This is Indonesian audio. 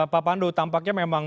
pak pandu tampaknya memang